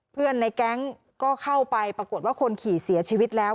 ในแก๊งก็เข้าไปปรากฏว่าคนขี่เสียชีวิตแล้ว